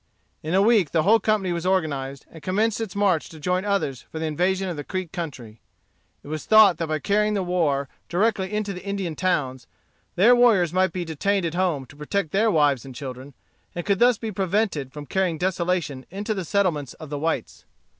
In a week the whole company was organized, and commenced its march to join others for the invasion of the Creek country. It was thought that by carrying the war directly into the Indian towns, their warriors might be detained at home to protect their wives and children, and could thus be prevented from carrying desolation into the settlements of the whites.